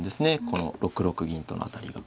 この６六銀との当たりが。